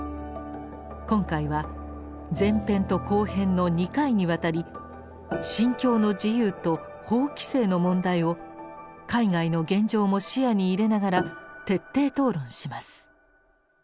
今回は前編と後編の２回にわたり「信教の自由」と法規制の問題を海外の現状も視野に入れながら徹底討論します。